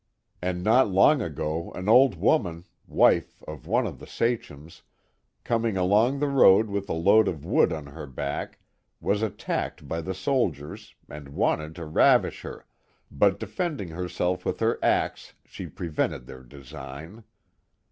And not long ago an old woman, wife of one of the sachems, coming along the road with a load of wood on her back, was attacked by the soldiers, who wanted to ravish her, but defending herself with her axe, she prevented their design.